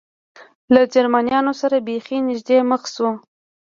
له جرمنیانو سره بېخي نږدې مخ شو.